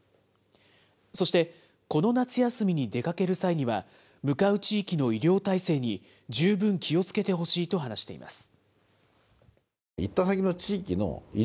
そしてこの夏休みに出かける際には、向かう地域の医療体制に十分気をつけてほしいと話しています。